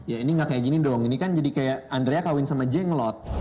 ya ini gak kayak gini dong ini kan jadi kayak andrea kawin sama jenglot